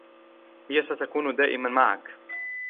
هي ستكون دائماً معك.